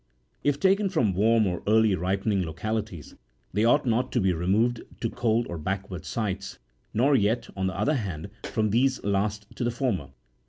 If taken from warm or early ripening localities, they ought not to be re moved to cold or backward sites, nor yet, on the other hand, from these last to the former.